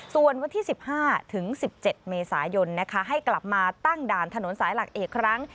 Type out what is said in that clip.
ส่วนวันที่๑๕ถึง๑๗เมษายนให้กลับมาตั้งด่านถนนสายหลักอีกครั้ง